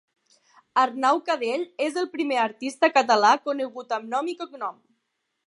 Arnau Cadell és el primer artista català conegut amb nom i cognom.